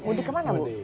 mudik ke mana bu